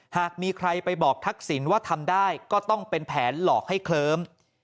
หากมีใครไปบอกทักษิณว่าทำได้ก็ต้องเป็นแผนหลอกให้เคลิ้ม